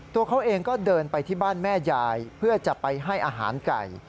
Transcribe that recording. ตัวเขาเองก็เดินไปที่บ้านแม่ยายเพื่อจะไปให้อาหารไก่